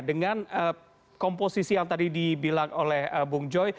dengan komposisi yang tadi dibilang oleh bung joy